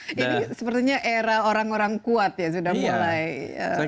ini sepertinya era orang orang kuat ya sudah mulai timbul di dunia